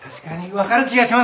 わかる気がします。